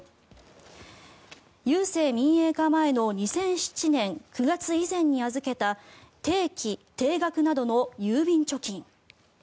郵政民営化前の２００７年９月以前に預けた定期、定額などの郵便貯金。